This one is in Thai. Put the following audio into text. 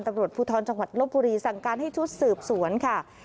ตำรวจภูทรจังหวัดลบบุรีสั่งการให้ชุดสืบสวนค่ะ